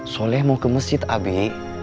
soleh mau ke masjid abe